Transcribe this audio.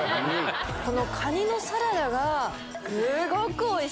このカニのサラダがすごくおいしい。